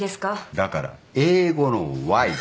だから英語のＹ。